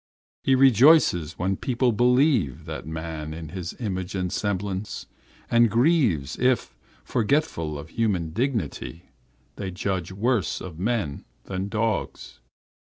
He rejoices when people believe that man is His image and semblance, and grieves if, forgetful of human dignity, they judge worse of men than of dogs.